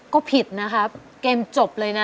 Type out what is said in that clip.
ก็ผิดนะครับเกมจบเลยนะ